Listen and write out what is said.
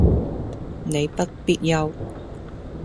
你不必憂